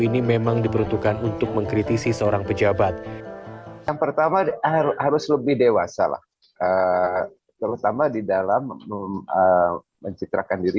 ini memang diperuntukkan untuk mengkritisi seorang pejabat ini dalam cuma di dalam menciptakan diri